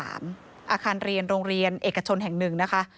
อาคารเรียนโรงเรียนเอกชนแห่งหนึ่งนะคะ